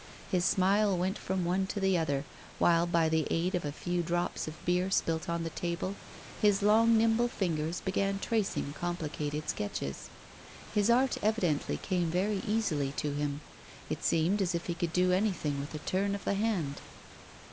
His smile went from one to the other, while, by the aid of a few drops of beer spilt on the table, his long nimble fingers began tracing complicated sketches. His art evidently came very easily to him; it seemed as if he could do anything with a turn of the hand.